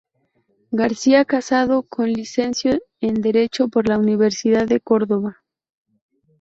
García Casado se licenció en Derecho por la Universidad de Córdoba.